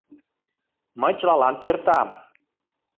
Мый чылалан кертам!